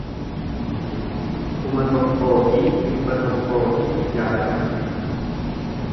kuma tokkoo fi dhibba tokkoo fi jaatama